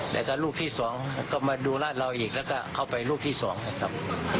แล้วก็ลูกที่สองก็มาดูราดเราอีกแล้วก็เข้าไปลูกที่๒นะครับ